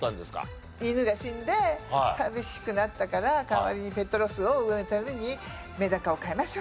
犬が死んで寂しくなったから代わりにペットロスを埋めるためにメダカを飼いましょうと。